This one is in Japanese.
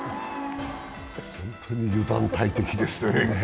本当に油断大敵ですね。